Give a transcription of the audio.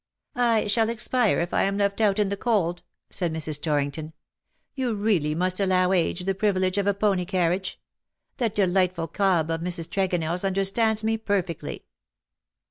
" I shall expire if I am left out in the cold," said Mrs. Torrington. " You really must allow age the privilege of a pony carriage. That delightful cob of Mrs. TregonelFs understands me perfectly."